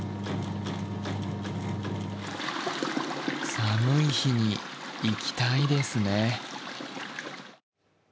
寒い日に行きたいですね。